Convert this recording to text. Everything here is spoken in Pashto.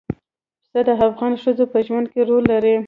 پسه د افغان ښځو په ژوند کې رول لري.